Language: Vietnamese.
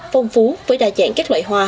phong phú với đa dạng các loại hoa